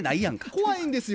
怖いんですよ。